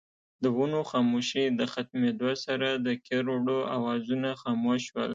د ونو خاموشۍ د ختمېدو سره دکيرړو اوازونه خاموش شول